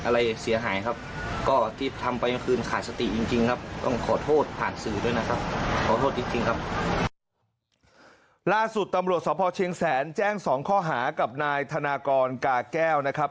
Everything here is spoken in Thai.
ล่าสุดตำรวจสพเชียงแสนแจ้ง๒ข้อหากับนายธนากรกาแก้วนะครับ